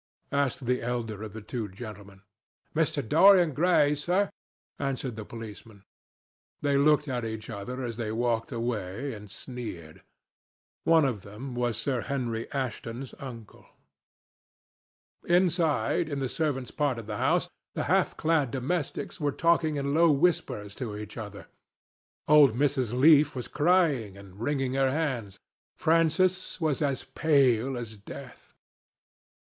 asked the elder of the two gentlemen. "Mr. Dorian Gray's, sir," answered the policeman. They looked at each other, as they walked away, and sneered. One of them was Sir Henry Ashton's uncle. Inside, in the servants' part of the house, the half clad domestics were talking in low whispers to each other. Old Mrs. Leaf was crying and wringing her hands. Francis was as pale as death.